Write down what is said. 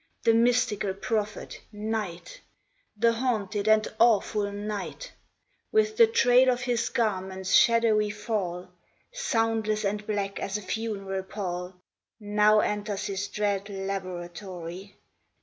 the mystical prophet, Night! The haunted and awful Night! With the trail of his garment's shadowy fall, Soundless and black as a funeral pall, Now enters his dread laboratory.